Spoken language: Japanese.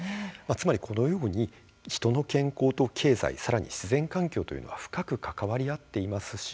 つまり、このように人の健康と経済、さらに自然環境というのは深く関わり合っていますし